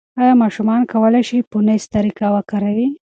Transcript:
ایا ماشوم کولای شي فونس طریقه وکاروي؟